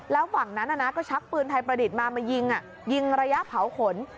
แล้วฝั่งนั้นก็ชักปืนไทยประดิษฐ์มามายิงยิงระยะเผาขน